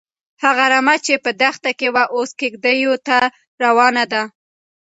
هغه رمه چې په دښته کې وه، اوس کيږديو ته راروانه ده.